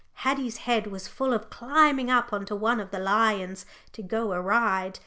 Haddie's head was full of climbing up onto one of the lions to go a ride.